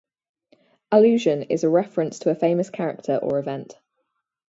Allusion is a reference to a famous character or event.